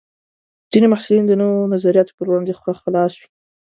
ځینې محصلین د نوو نظریاتو پر وړاندې خلاص وي.